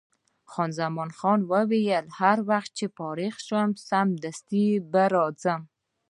خان زمان وویل: هر وخت چې فارغه شوم، سمدستي به راځم.